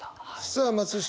さあ松下